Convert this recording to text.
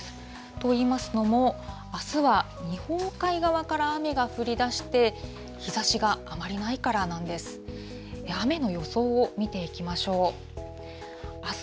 といいますのも、あすは日本海側から雨が降りだして、日ざしがあまりないからなんです。